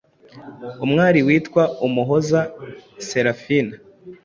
Umwari witwa Umuhoza Selafina